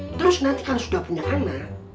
terus nanti kalau sudah punya anak